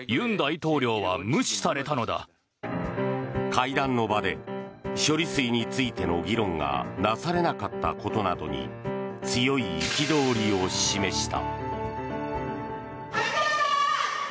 会談の場で処理水についての議論がなされなかったことなどに強い憤りを示した。